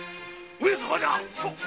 上様じゃ！